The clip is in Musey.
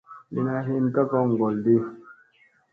Lina hin ka kon ŋgolɗi.